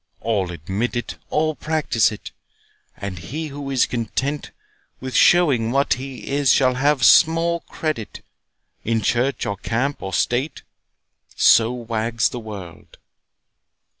—All admit it, All practise it; and he who is content With showing what he is, shall have small credit In church, or camp, or state—So wags the world.